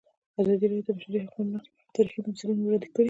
ازادي راډیو د د بشري حقونو نقض په اړه تاریخي تمثیلونه وړاندې کړي.